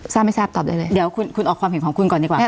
ทราบไม่ทราบตอบได้เลยเดี๋ยวคุณออกความเห็นของคุณก่อนดีกว่า